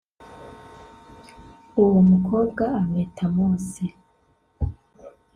uwo mukobwa amwita mose